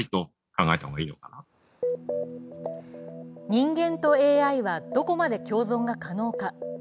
人間とＡＩはどこまで共存が可能か？